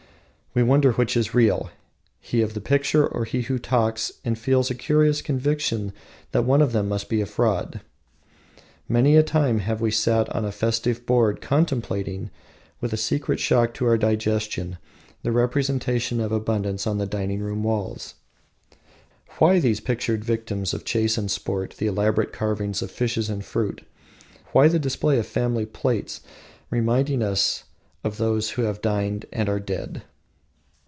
We wonder which is real, he of the picture or he who talks, and feel a curious conviction that one of them must be fraud. Many a time have we sat at a festive board contemplating, with a secret shock to our digestion, the representation of abundance on the dining room walls. Why these pictured victims of chase and sport, the elaborate carvings of fishes and fruit? Why the display of family plates, reminding us of those who have dined and are dead?